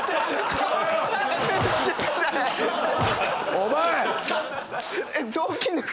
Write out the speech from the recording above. お前！